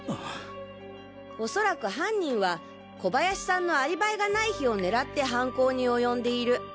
おそらく犯人は小林さんのアリバイがない日を狙って犯行に及んでいる。